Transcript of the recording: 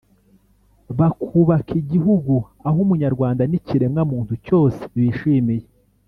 bakubaka igihugu aho Umunyarwanda n’ikiremwamuntu cyose bishimiye